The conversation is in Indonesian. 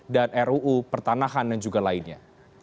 dan ruu pertanahan dan juga lainnya